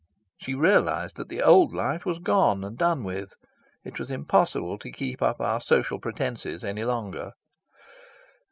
She realised that the old life was gone and done with. It was impossible to keep up our social pretences any longer.